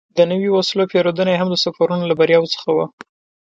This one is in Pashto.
د نویو وسلو پېرودنه یې هم د سفرونو له بریاوو څخه وه.